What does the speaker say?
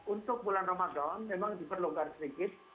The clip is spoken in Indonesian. untuk bulan ramadan memang diperlukan sedikit